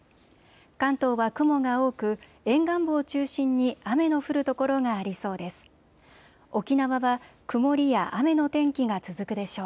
関東は雲が多く沿岸部を中心に雨の降る所がありそうです。